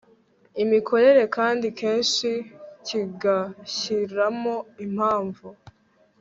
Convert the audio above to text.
imikorere kandi kenshi kigashyiramo impamvu